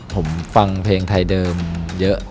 ผมฟังเพลงไทยเดิมเยอะ